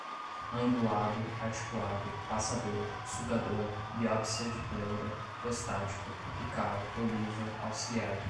angulado, articulado, passador, sugador, biópsia de pleura, prostático, apical, oliva, auxiliar